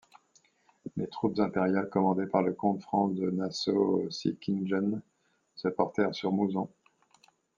Les troupes impériales commandées par le comte Franz de Nassau-Sickingen se portèrent sur Mouzon.